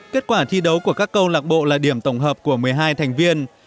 kết quả thi đấu của các câu lạc bộ là điểm tổng hợp của một mươi hai thành viên